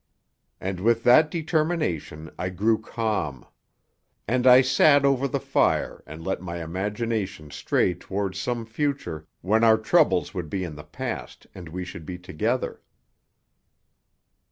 And with that determination I grew calm. And I sat over the fire and let my imagination stray toward some future when our troubles would be in the past and we should be together.